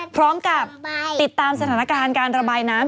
พร้อมกับติดตามสถานการณ์การระบายน้ำ